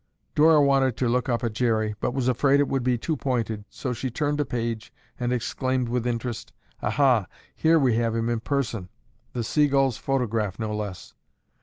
Dora wanted to look up at Jerry, but was afraid it would be too pointed, so she turned a page and exclaimed with interest, "Aha, here we have him in person. The Seagull's photograph no less."